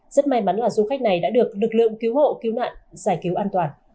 rất may mắn là du khách này đã được lực lượng cứu hộ cứu nạn giải cứu an toàn